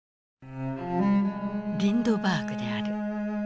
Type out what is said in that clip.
リンドバーグである。